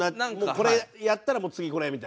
これやったら次これみたいな。